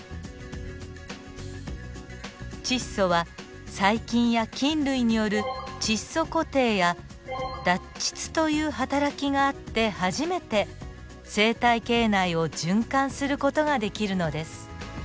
窒素は細菌や菌類による窒素固定や脱窒というはたらきがあって初めて生態系内を循環する事ができるのです。